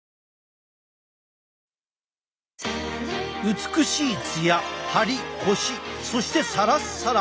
美しいツヤハリコシそしてサラサラ。